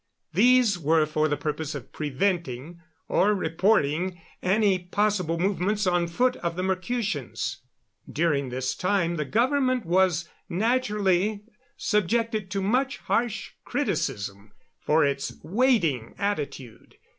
These were for the purpose of preventing, or reporting, any possible movements on foot of the Mercutians. During this time the government was, naturally, subjected to much harsh criticism for its waiting attitude.